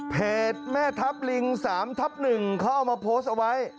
แม่ทัพลิง๓ทับ๑เขาเอามาโพสต์เอาไว้